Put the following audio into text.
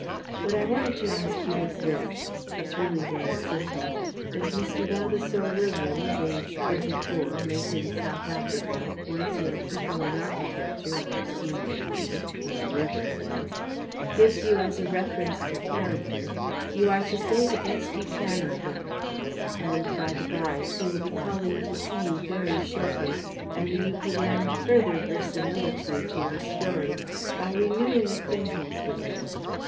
What I wanted to ask was this it's really very simple If Mr. Vavasour Williams, aged twenty four, late in South Africa, once your pupil in architecture or scene painting or whatever it was gives you as a reference to character, you are to say the best you can of him. And, by the bye, he will be calling to see you very shortly and you could lend further verisimilitude to your story by renewing acquaintance with him.